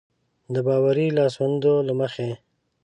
د باوري لاسوندو له مخې.